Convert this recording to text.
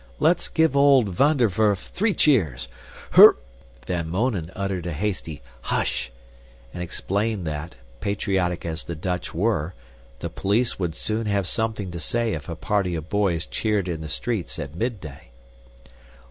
Let's give old Van der Werf three cheers. Hur " Van Mounen uttered a hasty "Hush!" and explained that, patriotic as the Dutch were, the police would soon have something to say if a party of boys cheered in the street at midday.